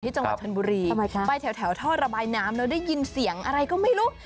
จังหวัดชนบุรีไปแถวท่อระบายน้ำแล้วได้ยินเสียงอะไรก็ไม่รู้